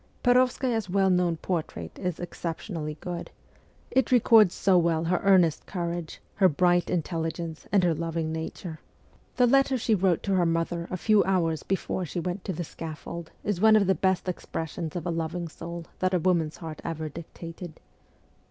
Perovskaya's well known portrait is exceptionally good ; it records so well her earnest courage, her bright intelligence, and her loving nature. The 110 MEMOIRS OF A REVOLUTIONIST letter she wrote to her mother a few hours before she went to the scaffold is one of the best expressions of a loving soul that a woman's heart ever dictated.